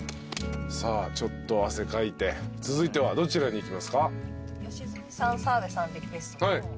さあちょっと汗かいて続いてはどちらに行きますか？